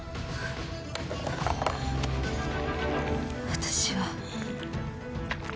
私は